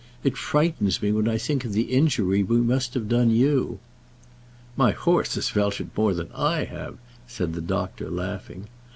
It frightens me when I think of the injury we must have done you." "My horse has felt it more than I have," said the doctor, laughing.